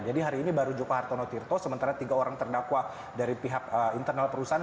jadi hari ini baru joko hartono tirto sementara tiga orang terdakwa dari pihak internal perusahaan